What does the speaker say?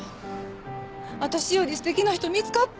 私より素敵な人見つかった？